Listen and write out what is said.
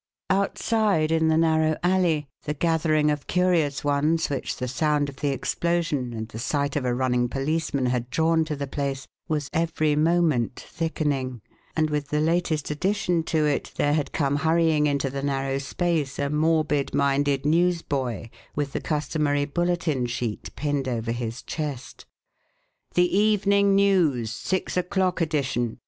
Outside in the narrow alley the gathering of curious ones which the sound of the explosion and the sight of a running policeman had drawn to the place was every moment thickening, and with the latest addition to it there had come hurrying into the narrow space a morbid minded newsboy with the customary bulletin sheet pinned over his chest. "The Evening News! Six o'clock edition!"